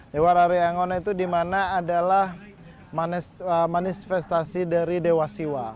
dewa rari angon itu dimana adalah manifestasi dari dewa siwa